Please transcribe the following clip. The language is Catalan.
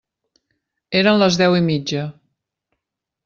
Eren les deu i mitja.